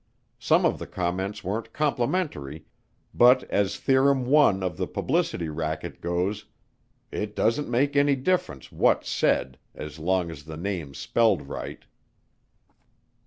Some of the comments weren't complimentary, but as Theorem I of the publicity racket goes, "It doesn't make any difference what's said as long as the name's spelled right."